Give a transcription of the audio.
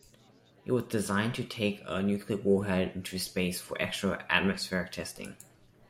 It was designed to take a nuclear warhead into space for extra-atmospheric testing.